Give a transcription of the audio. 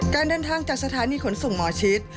การเดินทางจากสถานีขนส่งหมอชิด